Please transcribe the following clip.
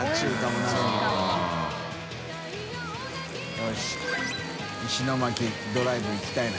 茲石巻ドライブ行きたいな